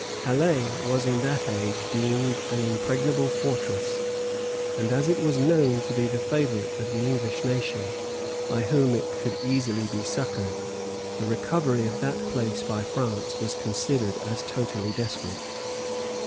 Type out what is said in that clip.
Calais was in that age deemed an impregnable fortress; and as it was known to be the favorite of the English nation, by whom it could easily be succored, the recovery of that place by France was considered as totally desperate.